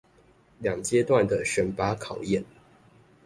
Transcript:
兩階段的選拔考驗